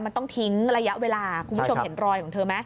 มันต้องทิ้งระยะเวลาคุณผู้ชมเห็นรอยของเธอไหม